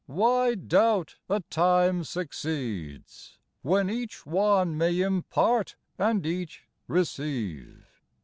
Why doubt a time succeeds When each one may impart, and each re ceive?"